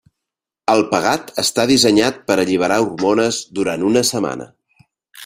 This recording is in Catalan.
El pegat està dissenyat per alliberar hormones durant una setmana.